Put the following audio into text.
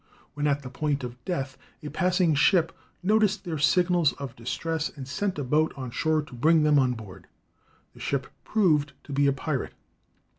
When at the point of death a passing ship noticed their signals of distress, and sent a boat on shore to bring them on board. The ship proved to be a pirate.